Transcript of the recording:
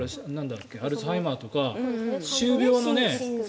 アルツハイマーとか歯周病のね。